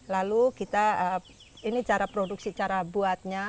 lalu kita ini cara produksi cara buatnya